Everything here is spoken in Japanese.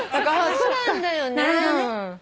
そうなんだよね。